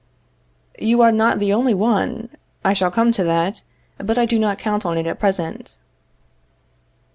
You are not the only one. I shall come to that; but I do not count on it at present.